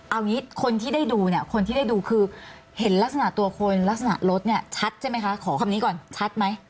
เอางี้คนที่ได้ดูเนี่ยคนที่ได้ดูคือเห็นลักษณะตัวคนลักษณะรถเนี่ยชัดใช่ไหมคะขอคำนี้ก่อนชัดไหม